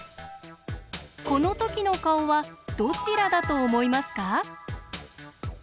このときのかおはどちらだとおもいますか？